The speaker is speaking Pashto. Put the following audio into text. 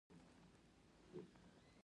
دوی خپلو ونو ته د اولاد په سترګه ګوري.